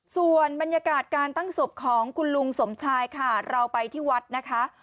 ส่วนบรรยากาศการตั้งศพของคุณลุงสมชายค่ะเราไปที่วัดนะคะ